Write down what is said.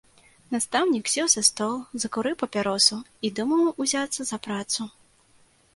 Настаўнік сеў за стол, закурыў папяросу і думаў узяцца за працу.